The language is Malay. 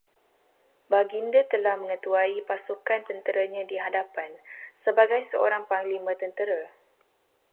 Baginda telah mengetuai pasukan tenteranya di hadapan, sebagai seorang panglima tentera